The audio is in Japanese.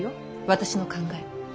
私の考え。